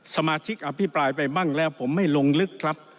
สมาชิกอภิปรายไปบ้างแล้วผมไม่ลงลึกครับ